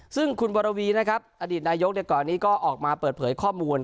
ซึ่งคุณบรวีนะครับอดีตนายกก่อนนี้ก็ออกมาเปิดเผยข้อมูล